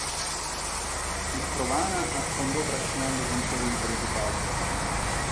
Il "Provana" affondò trascinando con sé l'intero equipaggio.